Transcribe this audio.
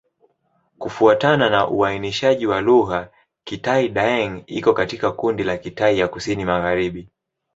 Kufuatana na uainishaji wa lugha, Kitai-Daeng iko katika kundi la Kitai ya Kusini-Magharibi.